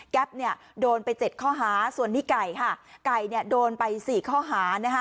แก๊บโดนไป๗ข้อหาส่วนนี้ไก่ไก่โดนไป๔ข้อหา